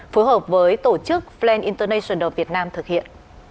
phối hợp với tổ chức flan international việt nam thực hiện